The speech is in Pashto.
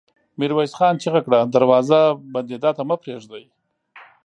ميرويس خان چيغه کړه! دروازه بندېدا ته مه پرېږدئ!